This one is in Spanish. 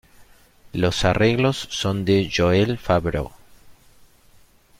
Los arreglos son de Joël Favreau.